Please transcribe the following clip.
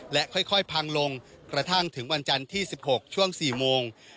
และค่อยพังลงกระทั่งถึงวันจันทร์ที่๑๖ช่วง๔โมง